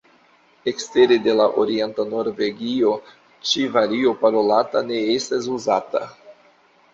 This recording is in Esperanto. Ekstere de la orienta Norvegio ĉi vario parolata ne estas uzata.